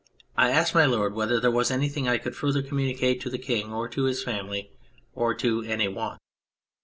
I asked My Lord whether there was anything that I could further communicate to the King or to his family, or to any one.